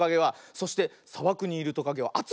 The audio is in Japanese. そしてさばくにいるトカゲはあついよ。